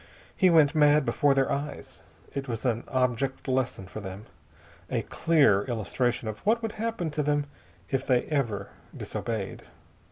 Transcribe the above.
He went mad before their eyes. It was an object lesson for them, a clear illustration of what would happen to them if they ever disobeyed.